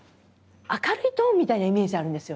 明るいトーンみたいなイメージあるんですよね。